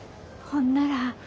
ほんなら。